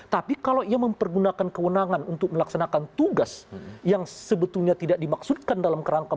tapi kalau ia mempergunakan kewenangan untuk melaksanakan tugas yang sebetulnya tidak dimaksudkan dalam kerangka